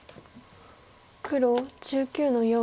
黒１９の四。